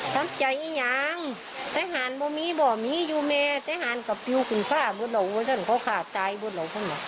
ทำใจอย่างทะหารบ่มีบ่มีอยู่แม่ทะหารกับอยู่คุณภาพเบอร์เหล่าเว้ยซักหนึ่งเขาขาดตายเบอร์เหล่าเมื่อไหน